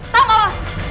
tau gak lo